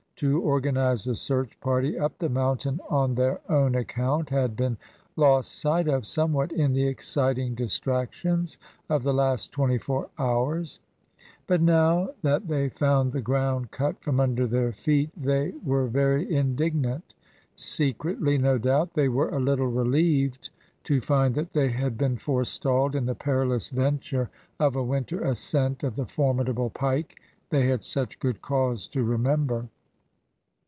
to organise a search party up the mountain on their own account had been lost sight of somewhat in the exciting distractions of the last twenty four hours; but now that they found the ground cut from under their feet they were very indignant. Secretly, no doubt, they were a little relieved to find that they had been forestalled in the perilous venture of a winter ascent of the formidable pike they had such good cause to remember.